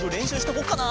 こうかな？